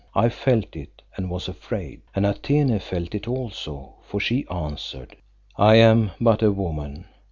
I felt it and was afraid, and Atene felt it also, for she answered "I am but a woman.